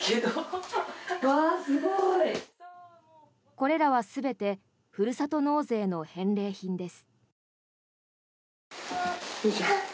これらは全てふるさと納税の返礼品です。